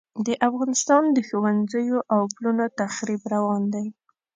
د افغانستان د ښوونځیو او پلونو تخریب روان دی.